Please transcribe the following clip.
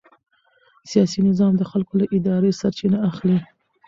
سیاسي نظام د خلکو له ارادې سرچینه اخلي